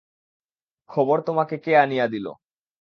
খবর তোমাকে কে আনিয়া দিল?